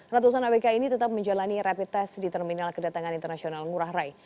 ratusan abk ini tetap menjalani rapid test di terminal kedatangan internasional ngurah rai